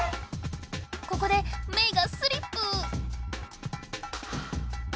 ここでメイがスリップ！